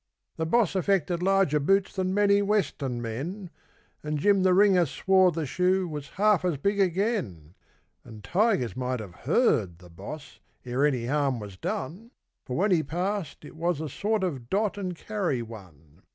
The Boss affected larger boots than many Western men, And Jim the Ringer swore the shoe was half as big again; And tigers might have heard the boss ere any harm was done For when he passed it was a sort of dot and carry one.